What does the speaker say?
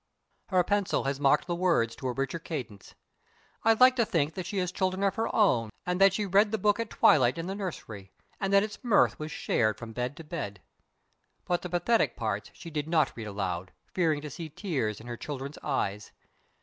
Her pencil has marked the words to a richer cadence. I like to think that she has children of her own and that she read the book at twilight in the nursery, and that its mirth was shared from bed to bed. But the pathetic parts she did not read aloud, fearing to see tears in her children's eyes.